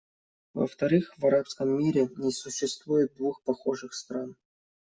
Во-вторых, в арабском мире не существует двух похожих стран.